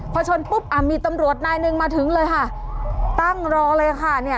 พอชนปุ๊บอ่ะมีตำรวจนายหนึ่งมาถึงเลยค่ะตั้งรอเลยค่ะเนี่ย